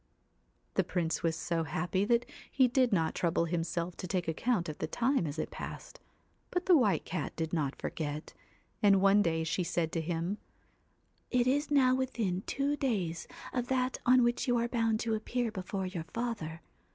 The Prince was so happy that he did not trouble himself to take account of the time as it passed, but the White Cat did not forget, and one day she said to him ' It is now within two days of that on which you are bound to appear before your father.